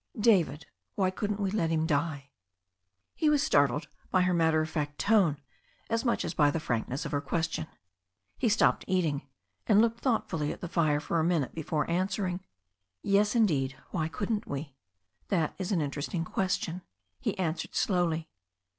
"David, why couldn't we let him die?" He was startled by her matter of fact tone as much as by the frankness of her question. He stopped eating, and looked thoughtfully at the fire for a minute before answering. "Yes, indeed, why couldn't we? That is an interesting question," he answered slowly.